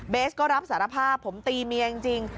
สก็รับสารภาพผมตีเมียจริง